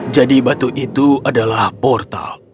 jadi batu itu adalah portal